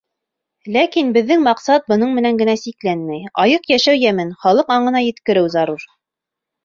Ләкин беҙҙең маҡсат бының менән генә сикләнмәй, айыҡ йәшәү йәмен халыҡ аңына еткереү зарур.